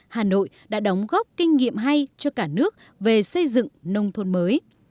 hà nội đã đóng góp kinh nghiệm hay cho cả nước về xây dựng nông thôn mới